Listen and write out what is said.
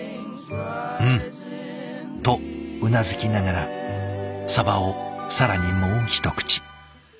「うん」とうなずきながらサバを更にもう一口。